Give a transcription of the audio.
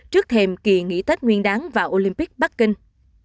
trước thêm kỳ nghỉ tết nguyên đáng vào olympic bắc kinh